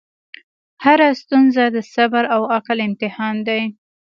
هره ستونزه د صبر او عقل امتحان دی.